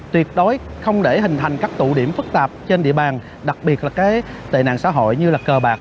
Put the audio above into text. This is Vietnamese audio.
tuyệt đối không để hình thành các tụ điểm phức tạp trên địa bàn đặc biệt là tệ nạn xã hội như là cờ bạc